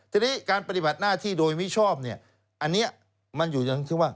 ทีนี้การปฏิบัติหน้าที่โดยมิชอบเนี่ยอันนี้มันอยู่อย่างที่ว่า